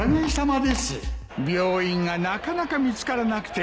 病院がなかなか見つからなくてな。